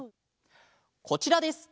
こちらです。